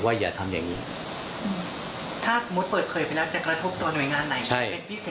ว่าอย่าทำอย่างงี้